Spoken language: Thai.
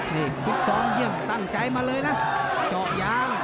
นี่ฟิศองค์เยี่ยมตั้งใจมาเลยนะจอกยาง